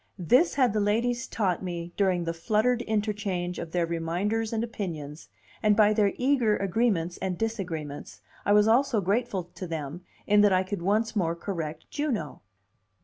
This had the ladies taught me during the fluttered interchange of their reminders and opinions, and by their eager agreements and disagreements, I was also grateful to them in that I could once more correct Juno.